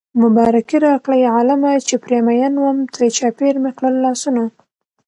مبارکي راکړئ عالمه چې پرې مين وم ترې چاپېر مې کړل لاسونه